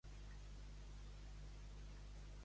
Annauir, per on entres has d'eixir.